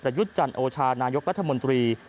ระยุจจันทร์โอชานายกรัฐมนตรี